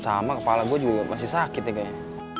sama kepala gue juga masih sakit ya kayaknya